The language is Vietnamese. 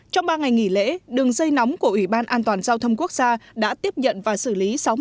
trong ba ngày nghỉ lễ đường dây nóng của ủy ban an toàn giao thông quốc gia đã tiếp nhận và xử lý